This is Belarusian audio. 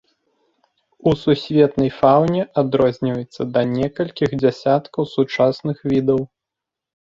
У сусветнай фаўне адрозніваецца да некалькіх дзясяткаў сучасных відаў.